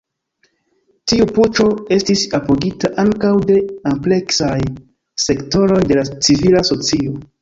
Tiu puĉo estis apogita ankaŭ de ampleksaj sektoroj de la civila socio.